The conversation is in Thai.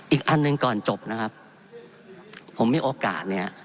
อีกอันหนึ่งก่อนจบนะครับผมมีโอกาสเนี่ย